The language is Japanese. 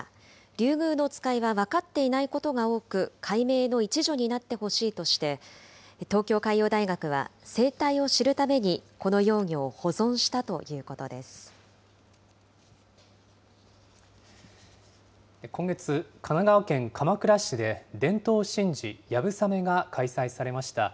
リュウグウノツカイは分かっていないことが多く、解明の一助になってほしいとして、東京海洋大学は生態を知るためにこの幼魚を保存したということで今月、神奈川県鎌倉市で伝統神事、やぶさめが開催されました。